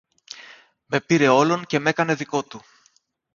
με πήρε όλον και μ' έκανε δικό του.